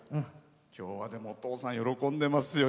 きょうは、お父さん喜んでますよ。